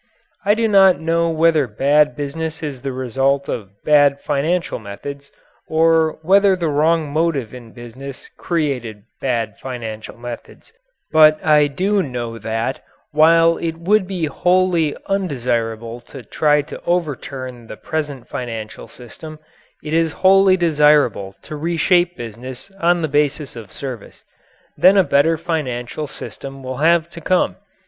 I do not know whether bad business is the result of bad financial methods or whether the wrong motive in business created bad financial methods, but I do know that, while it would be wholly undesirable to try to overturn the present financial system, it is wholly desirable to reshape business on the basis of service. Then a better financial system will have to come.